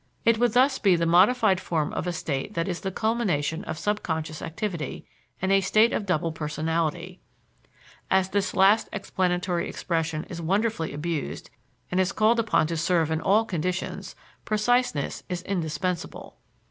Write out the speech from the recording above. " It would thus be the modified form of a state that is the culmination of subconscious activity and a state of double personality. As this last explanatory expression is wonderfully abused, and is called upon to serve in all conditions, preciseness is indispensable.